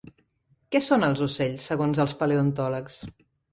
Què són els ocells segons els paleontòlegs?